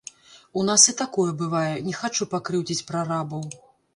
У нас і такое бывае, не хачу пакрыўдзіць прарабаў.